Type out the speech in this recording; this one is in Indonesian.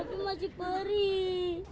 tapi masih perih